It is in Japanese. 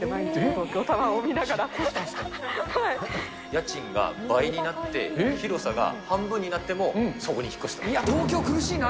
家賃が倍になって、広さが半分になっても、そこに引っ越した。